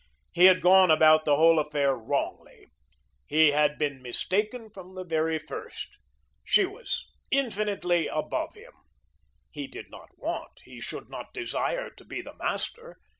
He had gone about the whole affair wrongly. He had been mistaken from the very first. She was infinitely above him. He did not want he should not desire to be the master.